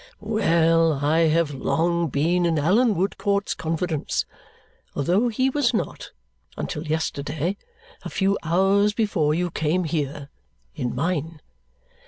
Well! I have long been in Allan Woodcourt's confidence, although he was not, until yesterday, a few hours before you came here, in mine.